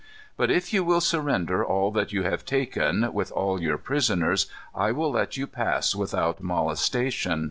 But if you will surrender all that you have taken, with all your prisoners, I will let you pass without molestation.